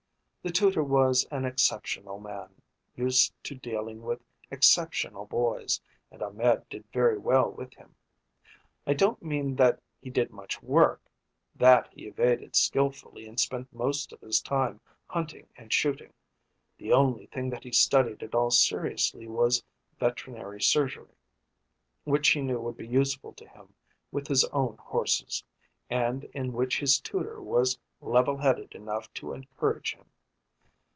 The tutor was an exceptional man, used to dealing with exceptional boys, and Ahmed did very well with him. I don't mean that he did much work that he evaded skilfully and spent most of his time hunting and shooting. The only thing that he studied at all seriously was veterinary surgery, which he knew would be useful to him with his own horses, and in which his tutor was level headed enough to encourage him.